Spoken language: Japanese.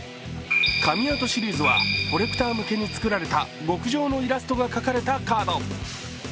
神アートシリーズはコレクター向けに作られた極上のイラストが描かれたカード。